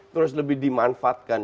terus lebih dimanfaatkan